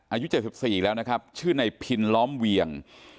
อายุเจ็ดสิบสี่แล้วนะครับชื่อนายพินล้อมเวียง